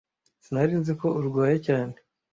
Sinari nzi ko urwaye cyane.